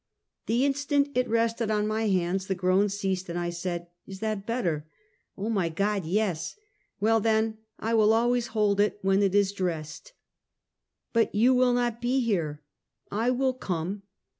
" The instant it rested on my hands the groans ceased, and I said: "Is that better?" "Oh, my God! yes!" "Well, then, I will always hold it when it is dressed!" " But you will not be here! " "I will come!"